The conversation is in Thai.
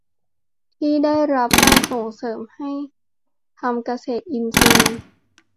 ที่ได้รับการส่งเสริมให้ทำเกษตรอินทรีย์